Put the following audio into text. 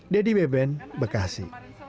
dedy beben bekasi